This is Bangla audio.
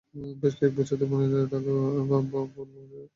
বেশ কয়েক বছর বাংলাদেশে থাকা পার্ক অবশ্য বাংলা ভাষা বুঝতে পারেন ভালোই।